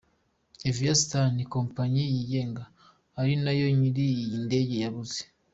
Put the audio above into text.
Aviastar ni kompanyi yigenga ari nayo nyiri iyi ndege yabuze.